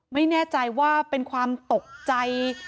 ไม่แน่ใจว่าเป็นความตกใจ